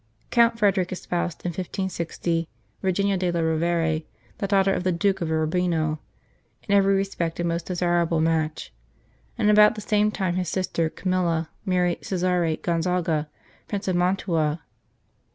Count Frederick espoused in 1560 Virginia de la Rovere, the daughter of the Duke of Urbino, in every respect a most desirable match ; and about the same time his sister, Camilla, married Cesare Gonzaga, Prince of Mantua.